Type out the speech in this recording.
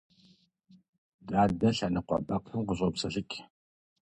Дадэ лъэныкъуэ бэкхъым къыщӀопсэлъыкӀ.